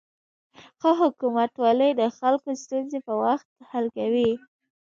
ښه حکومتولي د خلکو ستونزې په وخت حل کوي.